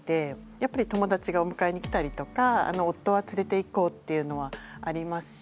やっぱり友だちがお迎えに来たりとか夫は連れていこうっていうのはありますし。